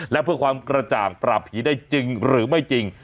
และเพื่อความกระจ่างปราบผีได้จริงหรือไม่จริง